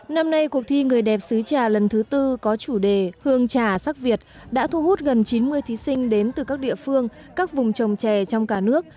năm nay cuộc thi người đẹp xứ trà lần thứ tư có chủ đề hương trà sắc việt đã thu hút gần chín mươi thí sinh đến từ các địa phương các vùng trồng chè trong cả nước